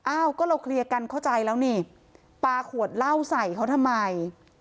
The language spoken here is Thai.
อ้าวก็เราเคลียร์กันเข้าใจแล้วนี่ปลาขวดเหล้าใส่เขาทำไม